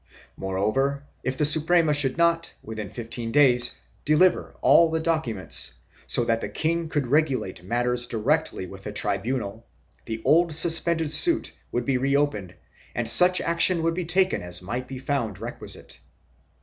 Moreover, if the Suprema should not, within fifteen days, deliver all the documents, so that the king could regulate matters directly with the tribunal, the old suspended suit would be reopened and such action would be taken as might be found requisite.